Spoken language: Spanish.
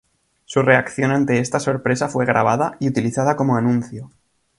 Su reacción ante esta sorpresa fue grabada y utilizada como anuncio.